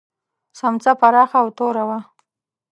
سمڅه پراخه او توره وه.